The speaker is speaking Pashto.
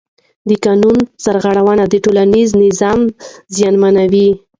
د قانون سرغړونه د ټولنیز نظم زیانمنوي